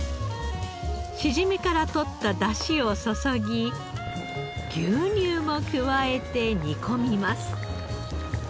しじみから取った出汁を注ぎ牛乳も加えて煮込みます。